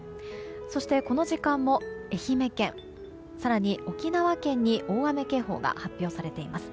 そしてこの時間も、愛媛県更に沖縄県に大雨警報が発表されています。